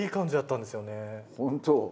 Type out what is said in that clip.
本当？